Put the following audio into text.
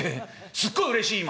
すっごいうれしい今」。